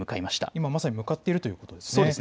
今まさに向かっているということですね。